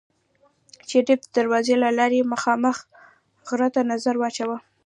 شريف د دروازې له لارې مخامخ غره ته نظر واچوه.